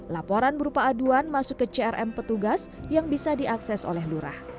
laporan berupa aduan masuk ke crm petugas yang bisa diakses oleh lurah